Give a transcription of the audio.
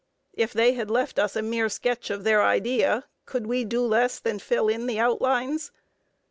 If they had left us a mere sketch of their idea, could we do less than fill in the outlines?